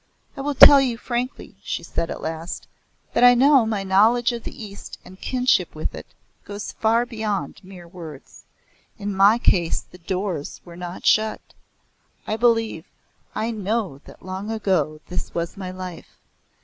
"I will tell you frankly," she said at last, "that I know my knowledge of the East and kinship with it goes far beyond mere words. In my case the doors were not shut. I believe I know that long ago this was my life.